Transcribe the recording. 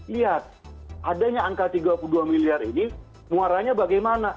lihat adanya angka tiga puluh dua miliar ini muaranya bagaimana